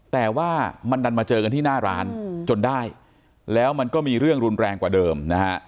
แต่ว่ามันดันมาเจอกันที่หน้าร้านจนได้แล้วมันก็มีเรื่องรุนแรงกว่าเดิมนะฮะ